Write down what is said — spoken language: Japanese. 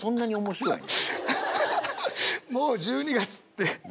もう１２月って。